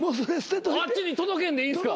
あっちに届けんでいいんすか？